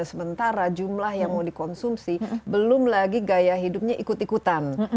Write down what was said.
sementara jumlah yang mau dikonsumsi belum lagi gaya hidupnya ikut ikutan